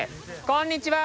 こんにちは！